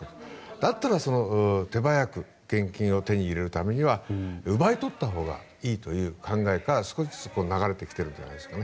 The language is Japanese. だったら手早く現金を手に入れるためには奪い取ったほうがいいという考えから少しずつ流れてきてるんじゃないですかね。